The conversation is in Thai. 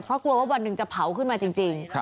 เพราะกลัวว่าวันหนึ่งจะเผาขึ้นมาจริง